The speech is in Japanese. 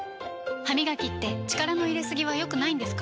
歯みがきって力の入れすぎは良くないんですか？